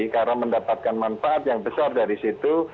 karena mendapatkan manfaat yang besar dari situ